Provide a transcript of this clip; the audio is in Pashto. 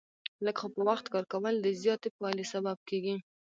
لږ خو په وخت کار کول، د زیاتې پایلې سبب کېږي.